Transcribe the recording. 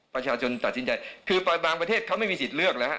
ประชาชนตัดสินใจคือบางประเทศเขาไม่มีสิทธิ์เลือกแล้วครับ